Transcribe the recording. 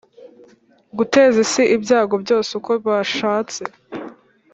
guteza isi ibyago byose uko bashatse